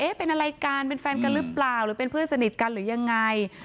เป็นอะไรกันเป็นแฟนกันหรือเปล่าหรือเป็นเพื่อนสนิทกันหรือยังไง